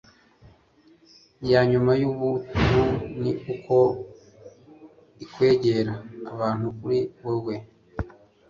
yanyuma yubuntu ni uko ikwegera abantu kuri wewe